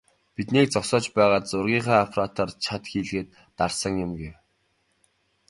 "Биднийг зогсоож байгаад зургийнхаа аппаратаар чад хийлгээд дарсан юм" гэв.